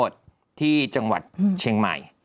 ชายใดข้าวโพสที่จังหวัดเชียงใหม่